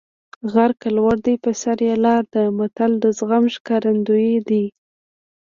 غر که لوړ دی په سر یې لاره ده متل د زغم ښکارندوی دی